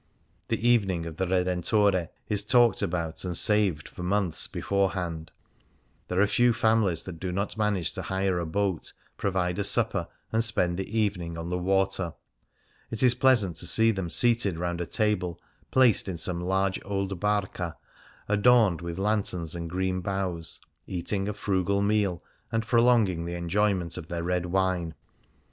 The evening of the Redentore is talked about and saved for months beforehand; there are few families that do not manage to hire a boat, provide a supper, and spend the evening on the water. It is pleasant to see them seated round a table placed in some large old harca^ adorned with lanterns and green boughs, eating a frugal meal and prolonging the enjoyment of their red wine.